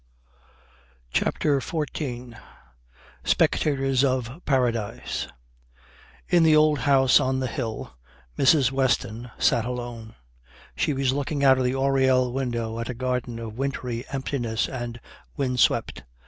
CHAPTER XIV SPECTATORS OF PARADISE In the old house on the hill Mrs. Weston sat alone. She was looking out of the oriel window at a garden of wintry emptiness and wind swept.